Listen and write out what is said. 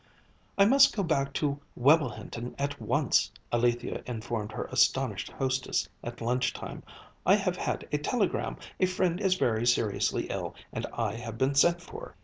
"I must go back to Webblehinton at once," Alethia informed her astonished hostess at lunch time; "I have had a telegram. A friend is very seriously ill and I have been sent for."